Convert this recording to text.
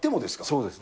そうです。